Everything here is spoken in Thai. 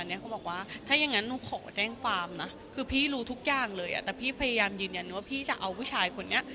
อะไรประมาณนะจะแก่งฟาร์มของฉันเลยแต่พี่พยายามยืนรู้ปุ่นพี่จะเอาผู้ชายลงไป